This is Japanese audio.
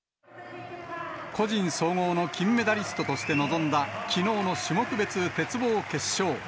個人総合の金メダリストとして臨んだきのうの種目別鉄棒決勝。